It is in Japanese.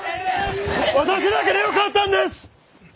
私だけでよかったんです！